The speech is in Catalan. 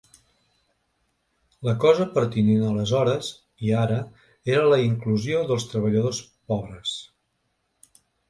La cosa pertinent aleshores, i ara, era la inclusió dels treballadors pobres.